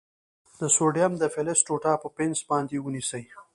د سوډیم د فلز ټوټه په پنس باندې ونیسئ.